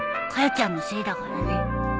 ちゃんのせいだからね。